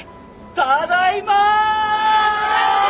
ただいま！